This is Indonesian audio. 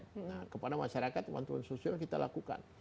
nah kepada masyarakat bantuan sosial kita lakukan